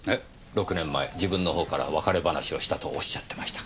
６年前自分の方から別れ話をしたとおっしゃってましたから。